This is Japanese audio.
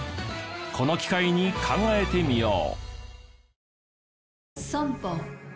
この機会に考えてみよう。